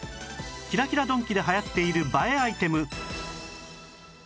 キラキラドンキで流行っている映えアイテム